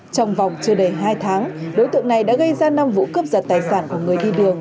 trong vòng chưa đầy hai tháng đối tượng này đã gây ra năm vụ cướp giật tài sản của người đi đường